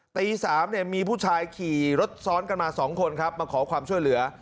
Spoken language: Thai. ตี๓มีผู้ชายขี่รถซ้อนกันมา๒คนครับมาขอความช่วยเหลือ